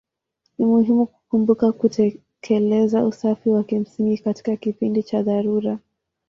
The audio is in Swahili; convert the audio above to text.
Ni muhimu kukumbuka kutekeleza usafi wa kimsingi katika kipindi cha dharura.